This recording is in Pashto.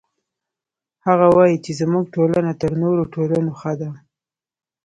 هغه وایي چې زموږ ټولنه تر نورو ټولنو ښه ده